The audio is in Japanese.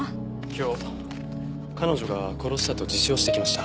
今日彼女が殺したと自首をしてきました。